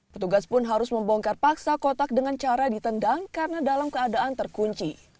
petugas pun harus membongkar paksa kotak dengan cara ditendang karena dalam keadaan terkunci